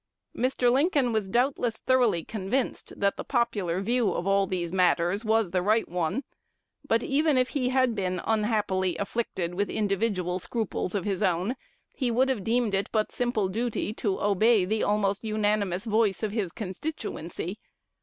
Mr. Lincoln was doubtless thoroughly convinced that the popular view of all these matters was the right one; but, even if he had been unhappily afflicted with individual scruples of his own, he would have deemed it but simple duty to obey the almost unanimous voice of his constituency.